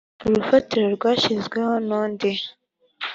urufatiro rwashyizweho n undi